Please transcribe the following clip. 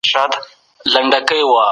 هغه څوک چي زکات نه ورکوي ګناهګار دی.